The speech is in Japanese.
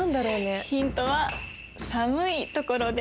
ヒントは寒いところで。